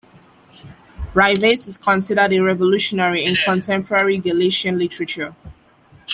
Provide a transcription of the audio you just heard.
Rivas is considered a revolutionary in contemporary Galician literature.